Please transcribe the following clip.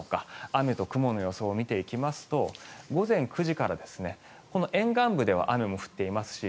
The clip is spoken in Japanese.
雨と曇りの予想を見ていきますと午前９時から沿岸部では雨も降っていますし